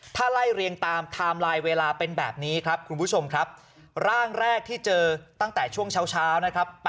ถ้าไล่เรียงตามไทม์ไลน์เวลาเป็นแบบนี้ครับคุณผู้ชมครับร่างแรกที่เจอตั้งแต่ช่วงเช้านะครับ